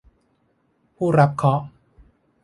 ผู้รับเคราะห์